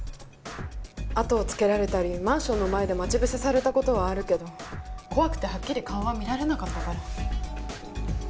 あとをつけられたりマンションの前で待ち伏せされた事はあるけど怖くてはっきり顔は見られなかったから。